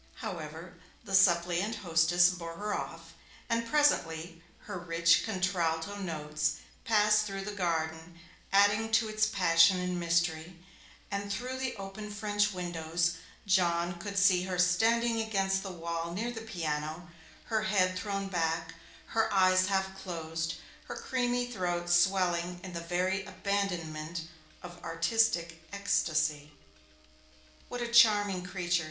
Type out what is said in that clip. However, the suppliant hostess bore her off, and presently her rich contralto notes passed through the garden, adding to its passion and mystery, and through the open French windows, John could see her standing against the wall near the piano, her head thrown back, her eyes half closed, her creamy throat swelling in the very abandonment of artistic ecstasy. 'What a charming creature!'